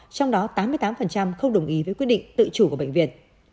trong đó tám mươi tám không đồng ý với quyết định tự chủ của bệnh viện